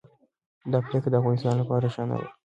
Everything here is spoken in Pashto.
دا پریکړه د افغانستان لپاره ښه نه وه.